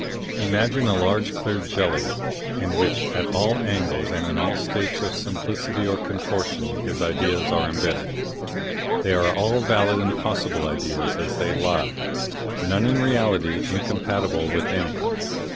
Imagine a large clear jelly, in which at all angles and in all states of simplicity or contortion his ideas are imbedded. They are all valid and possible ideas as they lie, none in reality incompatible with any.